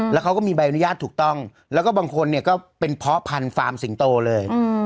แล้วเขาก็มีใบอนุญาตถูกต้องแล้วก็บางคนเนี่ยก็เป็นเพาะพันธุ์ฟาร์มสิงโตเลย